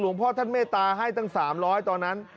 หลวงพ่อท่านเมตตาให้ตั้งสามร้อยตอนนั้น